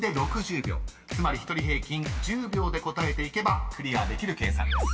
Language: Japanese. ［つまり１人平均１０秒で答えていけばクリアできる計算です］